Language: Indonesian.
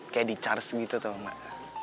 kayak di charge gitu tau emak